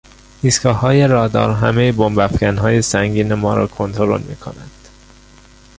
ایستگاههای رادار همهی بمب افکنهای سنگین ما را کنترل میکنند.